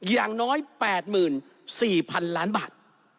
อย่างน้อย๘๔๐๐๐ล้านบาท